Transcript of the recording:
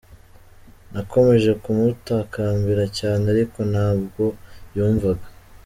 Nakomeje kumutakambira cyane ariko ntabwo yumvaga.